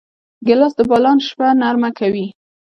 ګیلاس د باران شپه نرمه کوي.